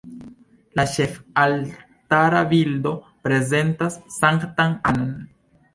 La ĉefaltara bildo prezentas Sanktan Annan.